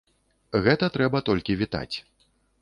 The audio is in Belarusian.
Гэта трэба толькі вітаць.